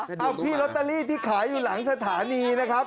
คุณพี่ลอตเตอรี่ที่ขายอยู่หลังสถานีนะครับ